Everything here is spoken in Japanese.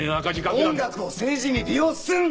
音楽を政治に利用すんな！